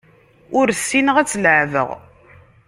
Ur ssineɣ ad tt-leεbeɣ.